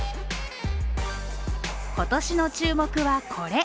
今年の注目は、これ。